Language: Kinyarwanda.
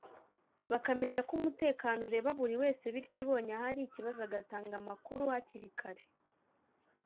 bakamenya ko umutekano ureba buri wese bityo ubonye ahari ikibazo agatanga amakuru hakiri kare